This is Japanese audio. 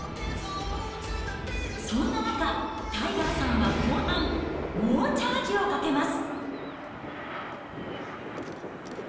そんな中、タイガーさんは後半、猛チャージをかけます。